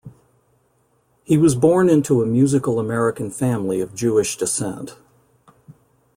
He was born into a musical American family of Jewish descent.